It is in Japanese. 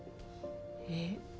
えっ？